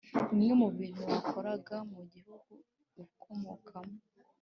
Bimwe mu bintu wakoraga mu gihugu ukomokamo